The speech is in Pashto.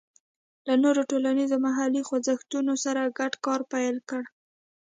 له نورو ټولنیزو محلي خوځښتونو سره ګډ کار پیل کړ.